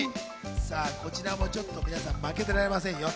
こちらもちょっと負けてられません。